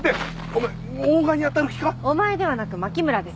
お前ではなく牧村です。